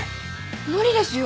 無理ですよ！